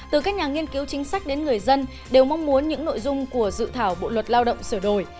từ các nhà nghiên cứu chính sách đến người dân đều mong muốn những nội dung của dự thảo bộ luật lao động sửa đổi